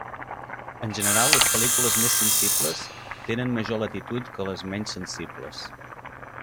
En general les pel·lícules més sensibles tenen major latitud que les menys sensibles.